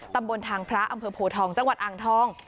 ตำบลทางพระอำเภอโพทองจังหวัดอ่างทอง